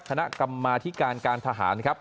คณะกรรมาธิการการทหารครับ